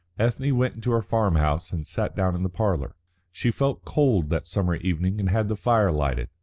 Ethne went into her farm house and sat down in the parlour. She felt cold that summer evening and had the fire lighted.